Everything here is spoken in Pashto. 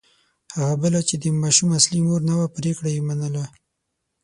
هغه بله چې د ماشوم اصلي مور نه وه پرېکړه یې ومنله.